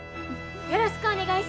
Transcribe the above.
よろしくお願いします！」。